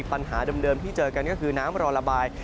ปัญหาเดิมที่เจอกันก็คือน้ำรอระบาย